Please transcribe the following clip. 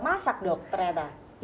masak dok ternyata